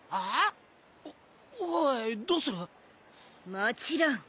もちろん！